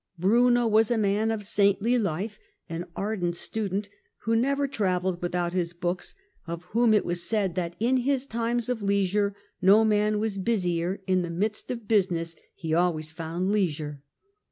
Bruno was a man of saintly life, an ardent student, who never travelled without his books, of whom it was said that " in his times of leisure no man was busier, in the midst of business he always found leisure."